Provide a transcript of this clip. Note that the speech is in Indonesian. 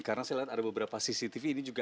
karena saya lihat ada beberapa cctv ini juga